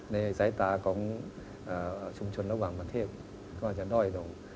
ในสายตาของชุมชนระหว่างประเทศก็จะด้อยลง